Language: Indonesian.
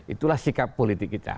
itulah sikap politik kita